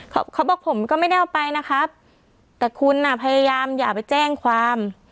เขาเขาบอกผมก็ไม่ได้เอาไปนะครับแต่คุณอ่ะพยายามอย่าไปแจ้งความ